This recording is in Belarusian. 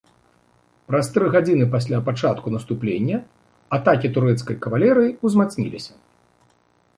Праз тры гадзіны пасля пачатку наступлення атакі турэцкай кавалерыі ўзмацніліся.